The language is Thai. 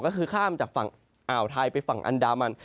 ก็คือข้ามจากฝั่งอ่าวไทยไปฝั่งอันดามัน